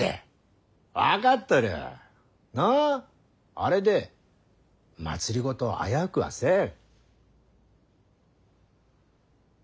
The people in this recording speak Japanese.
あれで政を危うくはせん。